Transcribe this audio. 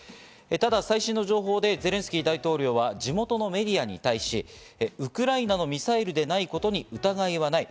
ただ最新の情報でゼレンスキー大統領は地元のメディアに対して、ウクライナのミサイルでないことに疑いはない。